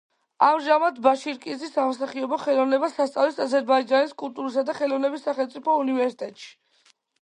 ამჟამად ბაშირკიზი სამსახიობო ხელოვნებას ასწავლის აზერბაიჯანის კულტურისა და ხელოვნების სახელმწიფო უნივერსიტეტში.